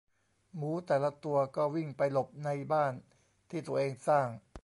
หมูแต่ละตัวก็วิ่งไปหลบในบ้านที่ตัวเองสร้าง